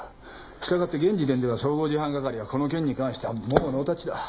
従って現時点では総合事犯係はこの件に関してはもうノータッチだ。